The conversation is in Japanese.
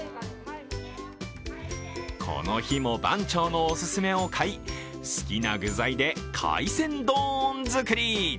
この日も番長のお勧めを買い、好きな具材で海鮮丼作り。